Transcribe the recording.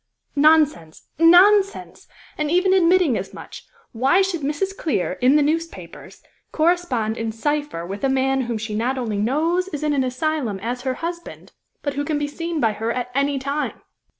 "Nonsense! nonsense! And even admitting as much, why should Mrs. Clear, in the newspapers, correspond in cypher with a man whom she not only knows is in an asylum as her husband, but who can be seen by her at any time?"